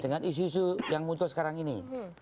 dengan isu isu yang muncul sekarang ini